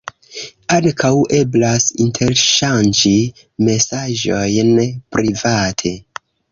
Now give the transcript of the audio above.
Ankaŭ eblas interŝanĝi mesaĝojn private.